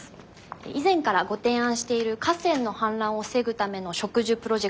以前からご提案している河川の氾濫を防ぐための植樹プロジェクトについてです。